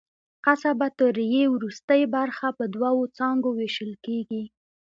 قصبة الریې وروستۍ برخه په دوو څانګو وېشل کېږي.